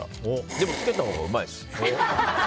でもつけたほうがうまいです。